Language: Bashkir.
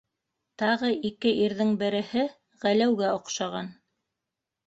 Тағы ике ирҙең береһе Ғәләүгә оҡшаған.